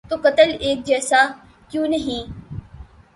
تو قاتل ایک جیسے کیوں نہیں؟